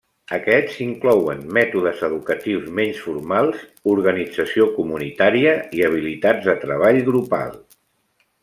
Aquests inclouen mètodes educatius menys formals, organització comunitària i habilitats de treball grupal.